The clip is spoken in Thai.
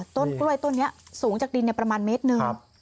ต้นกล้วยต้นนี้สูงจากดินประมาณเมตรหนึ่ง